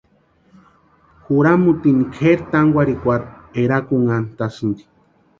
Juramutini kʼeri tánkwarhikwarhu erakunhantasïnti.